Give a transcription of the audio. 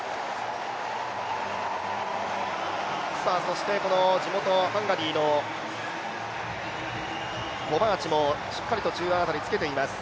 そしてこの地元ハンガリーのコバーチもしっかり中央辺りにつけています。